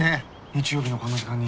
日曜日のこんな時間に。